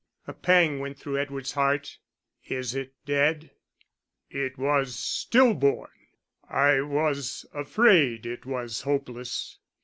A pang went through Edward's heart. "Is it dead?" "It was still born. I was afraid it was hopeless.